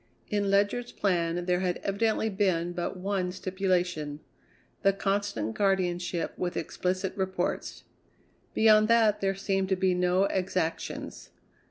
In Ledyard's plan there had evidently been but one stipulation: the constant guardianship with explicit reports. Beyond that there seemed to be no exactions.